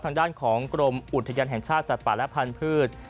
ทางด้านของกรมอุทยานแห่งชาติสัตว์ป่าและพันธุ์